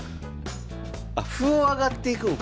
あ歩を上がっていくんか！